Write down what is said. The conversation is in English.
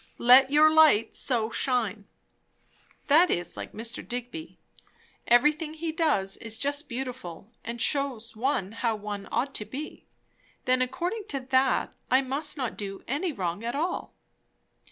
"Let your light so shine" That is like Mr. Digby. Everything he does is just beautiful, and shews one how one ought to be. Then according to that, I must not do any wrong at all!